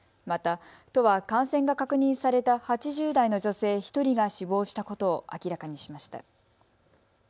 また都は感染が確認された８０代の女性１人が死亡したことを明らかにしました。